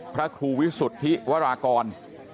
พระครูวิสุทธิวรากร